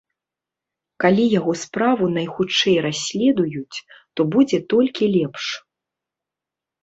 Калі яго справу найхутчэй расследуюць, то будзе толькі лепш.